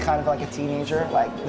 tetapi masih menjadi seorang anak muda